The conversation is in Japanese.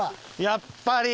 やっぱり！